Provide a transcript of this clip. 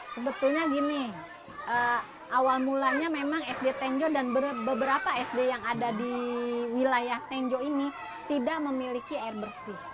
sebetulnya gini awal mulanya memang sd tenjo dan beberapa sd yang ada di wilayah tenjo ini tidak memiliki air bersih